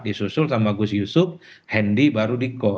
disusul sama gus yusuf hendi baru diko